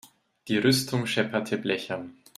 Die Rüstung schepperte blechern.